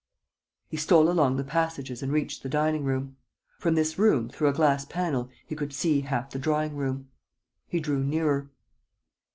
..." He stole along the passages and reached the dining room. From this room, through a glass panel, he could see half the drawing room. He drew nearer.